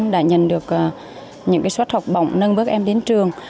đã nhận được những suất học bổng nâng bước em đến trường